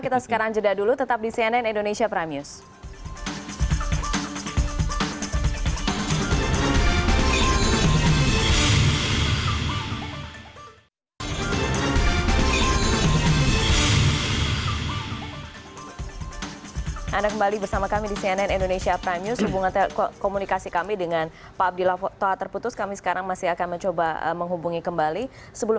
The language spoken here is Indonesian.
kita sekarang jeda dulu tetap di cnn indonesia prime news